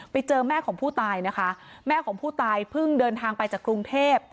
ไปเจอแม่ของผู้ตายนะคะแม่ของผู้ตายเพิ่งเดินทางไปจากกรุงเทพ